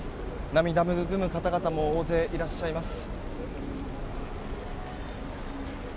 涙ぐむ方々も大勢いらっしゃいます。